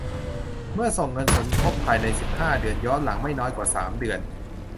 เมื่อส่งเงินสมทบภายใน สิบห้า เดือน ย้อนหลัง ไม่น้อยกว่า สาม เดือน